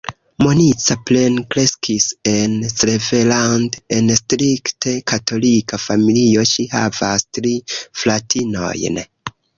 Monica plenkreskis en Cleveland en strikte katolika familio, ŝi havas tri fratinojn.